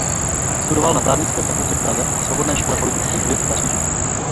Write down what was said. Studoval na právnické fakultě v Praze a Svobodné škole politických věd v Paříži.